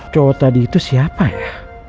cowok tadi itu siapa ya